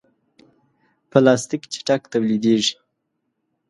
پلاستيک چټک تولیدېږي.